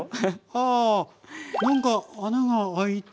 はあ何か穴が開いて。